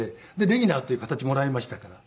レギュラーっていう形もらいましたから。